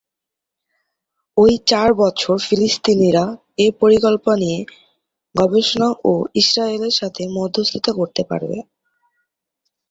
ওই চার বছর ফিলিস্তিনিরা এ পরিকল্পনা নিয়ে গবেষণা ও ইসরায়েলের সঙ্গে মধ্যস্থতা করতে পারবে।